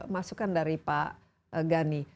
masukkan dari pak gani